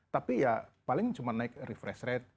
tapi ya paling cuma naik refresh rate